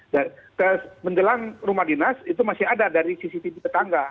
jadi menjelang rumah dinas itu masih ada dari cctv tetangga